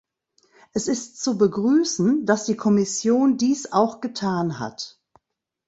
Es ist zu begrüßen, dass die Kommission dies auch getan hat.